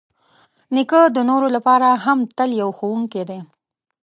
نیکه د نورو لپاره هم تل یو ښوونکی دی.